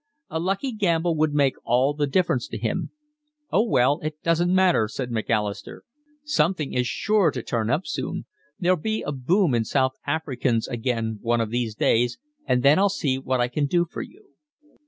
A lucky gamble would make all the difference to him. "Oh, well, it doesn't matter," said Macalister. "Something is sure to turn up soon. There'll be a boom in South Africans again one of these days, and then I'll see what I can do for you."